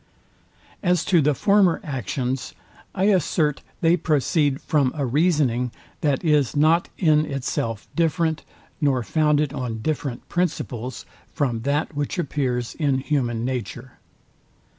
As to the former actions, I assert they proceed from a reasoning, that is not in itself different, nor founded on different principles, from that which appears in human nature.